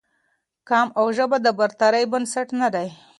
قوم او ژبه د برترۍ بنسټ نه دي